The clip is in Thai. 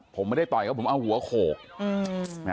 ผมไม่ได้ต่อยเขาผมเอาหัวโขก